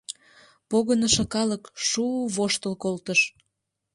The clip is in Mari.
Погынышо калык шу-у воштыл колтыш.